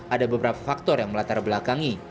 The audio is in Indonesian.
ada beberapa faktor yang melatar belakangi